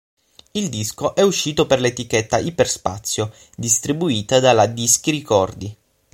Il disco è uscito per l'etichetta Iperspazio, distribuita dalla Dischi Ricordi.